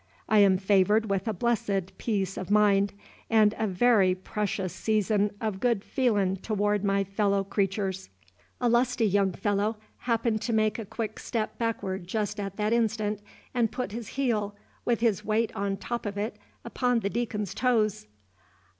I am favored with a blessed peace of mind, and a very precious season of good feelin' toward my fellow creturs." A lusty young fellow happened to make a quick step backward just at that instant, and put his heel, with his weight on top of it, upon the Deacon's toes.